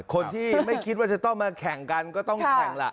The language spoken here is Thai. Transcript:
คนที่ไม่คิดว่าจะต้องมาแข่งกันก็ต้องแข่งล่ะ